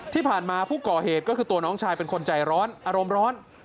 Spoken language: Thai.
ที่ผ่านมาผู้ก่อเหตุก็คือตัวน้องชายเป็นคนใจร้อนอารมณ์ร้อน